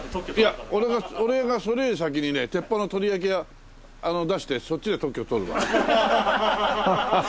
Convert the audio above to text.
いや俺がそれより先にね鉄板の鳥焼き屋出してそっちで特許取るわ。